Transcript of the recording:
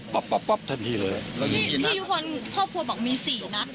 แบบแบบทันทีเลยที่ที่คนพ่อพ่อพ่อบอกมีสี่นัด